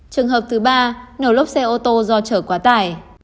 trường hợp thứ ba nổ lốp xe ô tô do chở quá tải